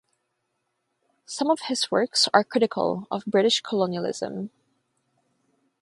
Some of his works are critical of British colonialism.